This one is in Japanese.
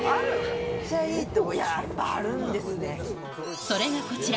めっちゃいいとこってあるんそれがこちら、